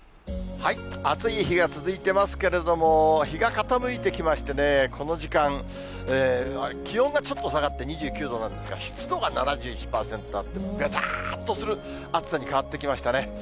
暑い日が続いてますけれども、日が傾いてきましてね、この時間、気温がちょっと下がって２９度なんですが、湿度が７１％あって、べたーっとする暑さに変わってきましたね。